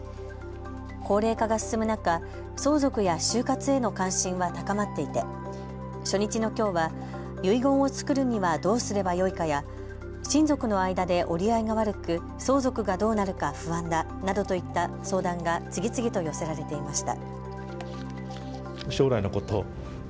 高齢化が進む中、相続や終活への関心は高まっていて初日のきょうは遺言を作るにはどうすればよいかや親族の間で折り合いが悪く相続がどうなるか不安だなどといった相談が次々と寄せられていました。